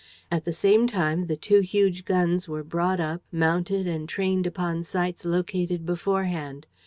At the same time, the two huge guns were brought up, mounted and trained upon sites located beforehand.